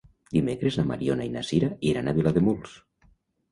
Dimecres na Mariona i na Sira iran a Vilademuls.